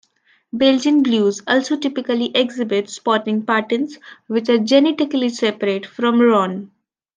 Belgian Blues also typically exhibit spotting patterns, which are genetically separate from roan.